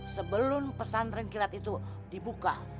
sebelum pesantren kilat itu dibuka